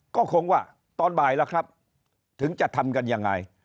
ก็คงว่าตอนบ่ายแล้วครับถึงจะทำกันยังไง